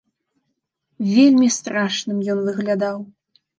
Вельмі страшным ён выглядаў.